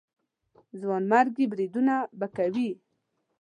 ځانمرګي بریدونه به کوي.